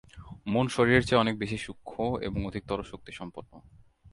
মন শরীরের চেয়ে অনেক বেশী সূক্ষ্ম, এবং অধিকতর শক্তিসম্পন্ন।